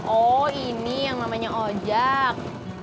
oh ini yang namanya ojek